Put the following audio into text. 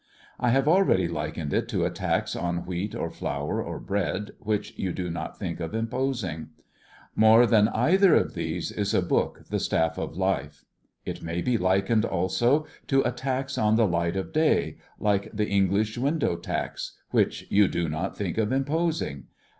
I have already likened it to a tax on wheat or flour or bread, which you do not think of imposing. More than either of these is a book " the staff of life." It may be likened also to a tax on the light of day, like the English window tax, which you do not think of imposing.